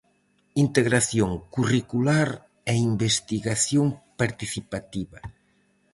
Integración curricular e Investigación participativa.